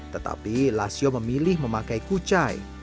tetapi lasio memilih memakai kucai